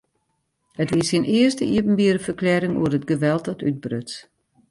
It wie syn earste iepenbiere ferklearring oer it geweld dat útbruts.